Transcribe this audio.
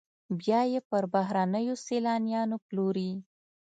بیا یې پر بهرنیو سیلانیانو پلوري